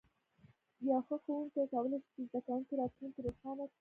یو ښه ښوونکی کولی شي د زده کوونکي راتلونکی روښانه کړي.